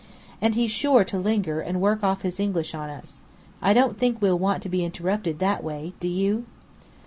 And he's sure to linger and work off his English on us. I don't think we'll want to be interrupted that way, do you?"